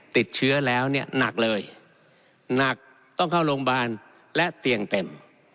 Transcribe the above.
ติดเชื้อแล้วเนี่ยหนักเลยหนักต้องเข้าโรงพยาบาลและเตียงเต็ม